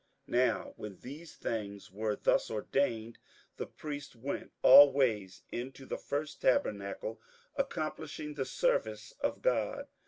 58:009:006 Now when these things were thus ordained, the priests went always into the first tabernacle, accomplishing the service of God.